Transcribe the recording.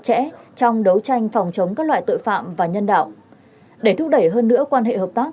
chẽ trong đấu tranh phòng chống các loại tội phạm và nhân đạo để thúc đẩy hơn nữa quan hệ hợp tác